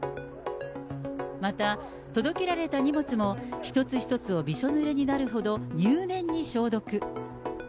また、届けられた荷物も一つ一つをびしょぬれになるほど入念に消毒。